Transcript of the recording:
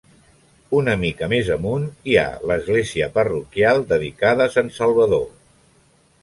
Una mica més amunt, hi ha l'església parroquial dedicada a sant Salvador.